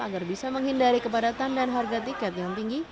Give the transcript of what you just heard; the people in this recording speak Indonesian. agar bisa menghindari kepadatan dan harga tiket yang tinggi